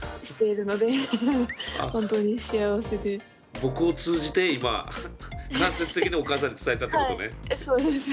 僕を通じて今間接的にお母さんに伝えたってことね。